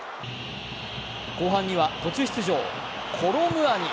後半には途中出場、コロ・ムアニ。